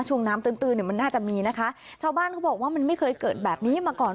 ช่วงน้ำตื้นตื้นเนี่ยมันน่าจะมีนะคะชาวบ้านเขาบอกว่ามันไม่เคยเกิดแบบนี้มาก่อน